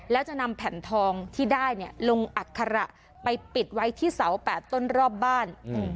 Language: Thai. แล้วจะนำแผ่นทองที่ได้ลงอัคระไปปิดไว้ที่เสา๘ต้นรอบบ้าน